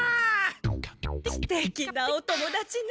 すてきなお友だちね。